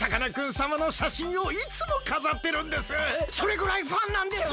それぐらいファンなんです！